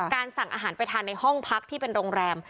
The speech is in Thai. สั่งอาหารไปทานในห้องพักที่เป็นโรงแรม